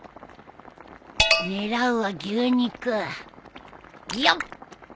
狙うは牛肉よっ。